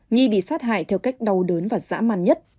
nhi bị sát hại theo cách đau đớn và dã man nhất